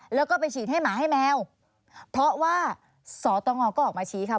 แล้วก็ไปฉีดให้หมาให้แมวเพราะว่าสตงก็ออกมาชี้ค่ะ